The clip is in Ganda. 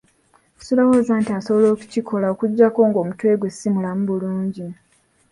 Sirowooza nti asobola okukikola okuggyako ng'omutwe gwe si mulamu bulungi.